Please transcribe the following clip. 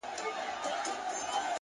اخلاص د اړیکو بنسټ پیاوړی کوي